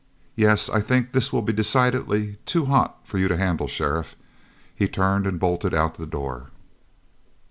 Yes, I think this will be decidedly too hot for you to handle, sheriff." He turned and bolted out the door.